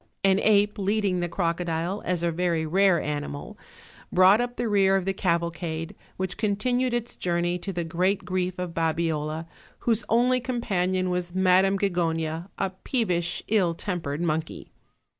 An ape leading the crocodile, as a very rare animal, brought up the rear of the cavalcade, which con tinued its journey to the great grief of Babiola, whose only companion was Madam Gigona, a peevish, ill tempered monkey.